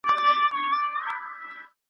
خلک د کار لپاره وخت ټاکي.